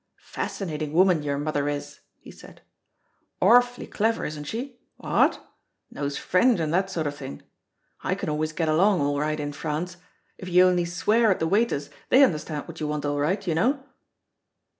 "Fascinatin' woman your mother is," he said. "Arfly clever, isn't she? What? Knows French and that sort of thing. I can always get along all right in France. If you only swear at the waiters they understand what you want all right, you know."